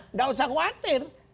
tidak usah khawatir